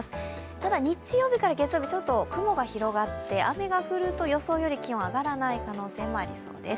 ただ、日曜日から月曜日、ちょっと雲が広がって雨が降ると予想より気温、上がらない可能性もありそうです。